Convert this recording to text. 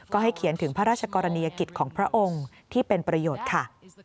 ก็ให้เขียนถึงพระราชกรณียกิจของพระองค์ที่เป็นประโยชน์ค่ะ